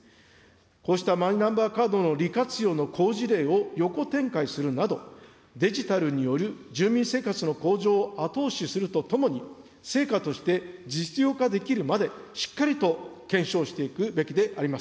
こうしたマイナンバーカードの利活用の好事例を横展開するなど、デジタルによる住民生活の向上を後押しするとともに、成果として実用化できるまで、しっかりと検証していくべきであります。